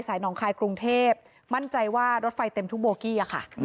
น้องคายกรุงเทพมั่นใจว่ารถไฟเต็มทุกโบกี้อะค่ะ